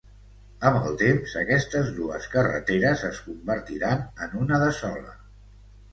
Amb el temps, aquestes dues carreteres es convertiran en una de sola.